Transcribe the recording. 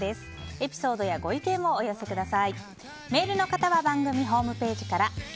エピソードやご意見をお寄せください。